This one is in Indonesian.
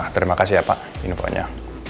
terima kasih ya pak info nya